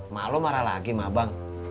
ma lo marah lagi mah bang